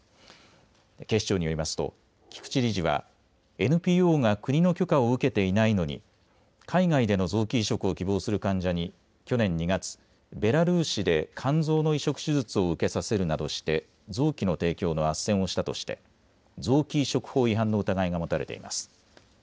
警視庁によりますと菊池理事はＮＰＯが国の許可を受けていないのに海外での臓器移植を希望する患者に去年２月、ベラルーシで肝臓の移植手術を受けさせるなどして臓器の提供のあっせんをしたとして臓器移植法違反の疑いが持たれています。